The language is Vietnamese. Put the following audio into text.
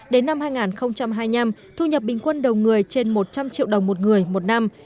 đến năm hai nghìn hai mươi năm thu nhập bình quân đầu người trên một trăm linh triệu đồng một người một năm